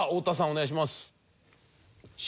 お願いします。